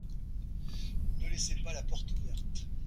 Ne laissez pas la porte ouverte.